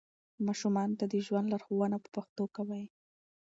ماشومانو ته د ژوند لارښوونه په پښتو کوئ.